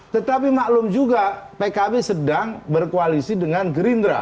tetapi maklum juga pkb sedang berkoalisi dengan gerindra